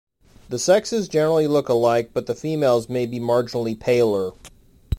The sexes generally look alike but the females may be marginally paler.